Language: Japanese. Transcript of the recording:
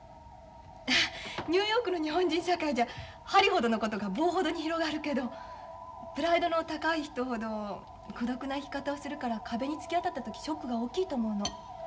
ニューヨークの日本人社会じゃ針ほどのことが棒ほどに広がるけどプライドの高い人ほど孤独な生き方をするから壁に突き当たった時ショックが大きいと思うの。